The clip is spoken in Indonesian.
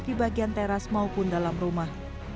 di bagian teras maupun dalam rumah